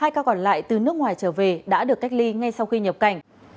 hai ca còn lại từ nước ngoài trở về đã được cách ly ngay sau khi nhập cảnh